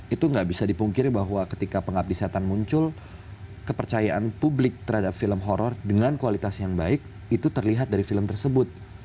itu nggak bisa dipungkiri bahwa ketika pengabdi setan muncul kepercayaan publik terhadap film horror dengan kualitas yang baik itu terlihat dari film tersebut